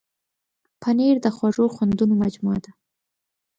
پنېر د خوږو خوندونو مجموعه ده.